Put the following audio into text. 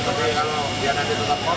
tapi kalau dia nanti tetap kos